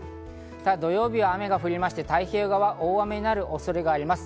土曜日は雨が降りまして、太平洋側は大雨になる恐れがあります。